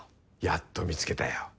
やっと見つけたよ。